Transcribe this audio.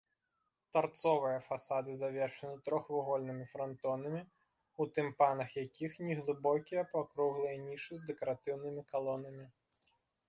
Тарцовыя фасады завершаны трохвугольнымі франтонамі, у тымпанах якіх неглыбокія паўкруглыя нішы з дэкаратыўнымі калонамі.